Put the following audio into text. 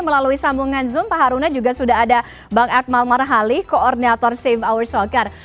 melalui sambungan zoom pak haruna juga sudah ada bang akmal marhali koordinator save our soccer